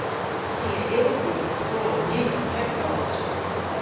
Ty a yll gul prov nivel heb kost.